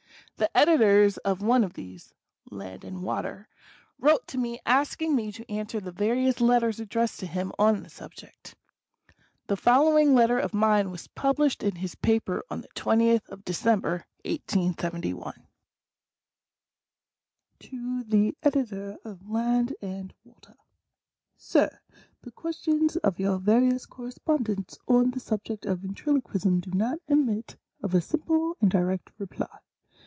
The editor of one of these {Land and Water) wrote to me asking me to answer the various letters addressed to him on the subject. The following letter of mine was published in his paper on the 20th December, 18U: " To the Editor of Land and Water. " Sir — The questions of your various correspondents on the subject of Ventriloquism do not admit of a simple and direct reply.